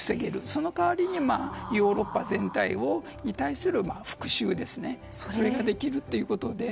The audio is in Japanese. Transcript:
その代わりにヨーロッパ全体に対する復讐ができるということで。